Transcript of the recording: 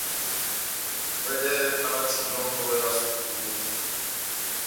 Wɛdɛhɛ kalati yɔ́ngɔ ya sukulu ó ŋʼhɔbɛ.